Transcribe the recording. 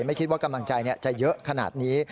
ไม่คิดว่ากำลังใจจะเยอะขนาดนี้